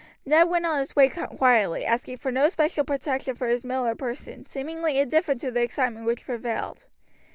Ned went on his way quietly, asking for no special protection for his mill or person, seemingly indifferent to the excitement which prevailed.